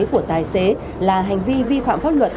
của tài xế là hành vi vi phạm pháp luật